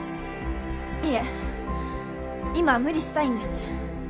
いえ今は無理したいんです。